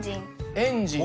エンジン。